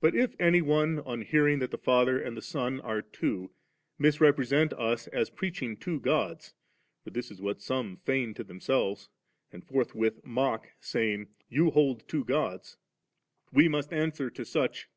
10. But if any one, on hearing tliat the Father and the Son are two, misrepresent us as preaching two Gods (for this is what some feign to themselves, and forthwith mock, saying, 'You hold two Gods'), we must answer to such.